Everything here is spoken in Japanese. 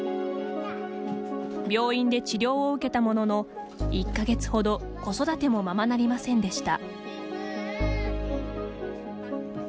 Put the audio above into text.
病院で治療を受けたものの１か月ほど子育てもままなりませんでした。